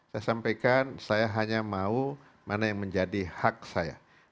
saya sampaikan saya hanya mau mana yang menjadi hak saya